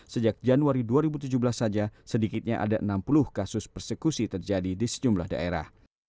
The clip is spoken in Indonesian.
sejak januari dua ribu tujuh belas saja sedikitnya ada enam puluh kasus persekusi terjadi di sejumlah daerah